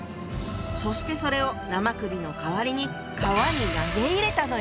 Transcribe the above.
そしてそれを生首の代わりに川に投げ入れたのよ！